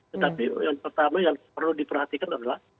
tetapi yang pertama yang perlu diperhatikan adalah